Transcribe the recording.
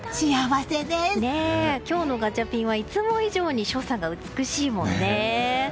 今日のガチャピンはいつも以上に所作が美しいもんね。